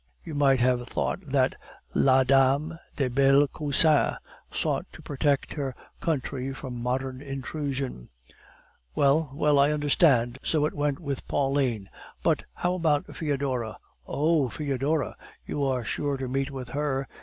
You might have thought that La dame des belles cousines sought to protect her country from modern intrusion." "Well, well, I understand. So it went with Pauline. But how about Foedora?" "Oh! Foedora, you are sure to meet with her!